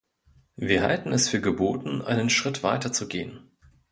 Wir halten es für geboten, einen Schritt weiter zu gehen.